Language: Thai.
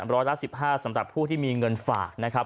ร้อยละ๑๕สำหรับผู้ที่มีเงินฝากนะครับ